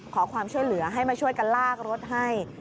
ขอความช่วยเหลือให้มาช่วยกันลากรถให้